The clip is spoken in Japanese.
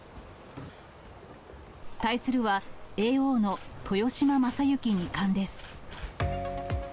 対するのは、叡王の豊島将之二冠です。